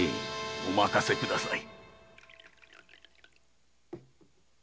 お任せください。